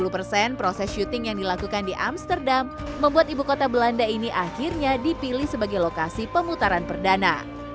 dua puluh persen proses syuting yang dilakukan di amsterdam membuat ibu kota belanda ini akhirnya dipilih sebagai lokasi pemutaran perdana